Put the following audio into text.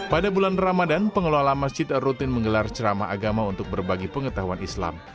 pada bulan ramadan pengelola masjid rutin menggelar ceramah agama untuk berbagi pengetahuan islam